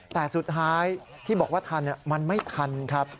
แต่สุดท้ายที่บอกว่าทันมันไม่ทันครับ